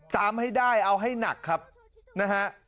ตามให้ได้เอาให้หนักครับนะฮะ